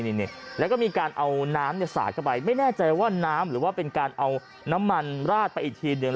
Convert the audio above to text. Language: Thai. นี่แล้วก็มีการเอาน้ำเนี่ยสาดเข้าไปไม่แน่ใจว่าน้ำหรือว่าเป็นการเอาน้ำมันราดไปอีกทีหนึ่ง